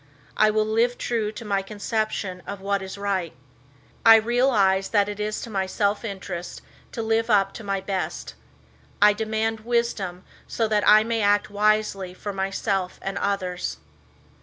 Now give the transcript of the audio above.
I will live true to my conception of what is right. I realize that it is to my self interest to live up to my best. I demand wisdom so that I may act wisely for myself and others.